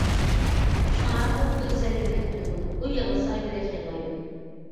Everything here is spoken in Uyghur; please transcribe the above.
شۇڭا ئۇ كۈلسە يۈرەك كۈلىدۇ، ئۇ يىغلىسا يۈرەك يىغلايدۇ.